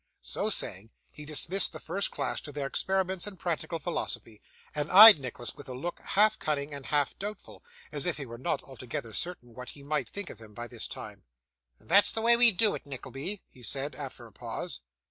So saying, he dismissed the first class to their experiments in practical philosophy, and eyed Nicholas with a look, half cunning and half doubtful, as if he were not altogether certain what he might think of him by this time. 'That's the way we do it, Nickleby,' he said, after a pause.